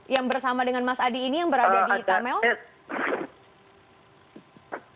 yang bersama dengan mas adi ini yang berada di tamel